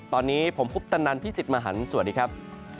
ตอนนี้ผมคุปตนันพี่สิทธิ์มหันฯสวัสดีครับ